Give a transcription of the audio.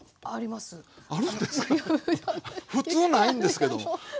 普通ないんですけども。